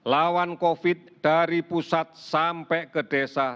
lawan covid sembilan belas dari pusat sampai ke desa